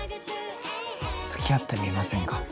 つきあってみませんか？